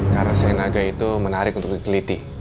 karena senaga itu menarik untuk diteliti